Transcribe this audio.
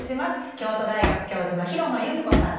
京都大学教授の廣野由美子さんです。